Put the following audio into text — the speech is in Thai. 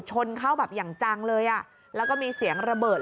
ชนเข้าแบบอย่างจังเลยอ่ะแล้วก็มีเสียงระเบิด